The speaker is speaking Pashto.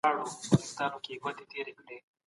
پخواني تعبیرونه تر اوسنیو هغو ډېر بدل وو.